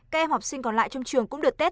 các em học sinh còn lại trong trường cũng được tết